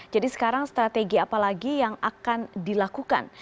jadi sekarang strategi apa lagi yang akan dilakukan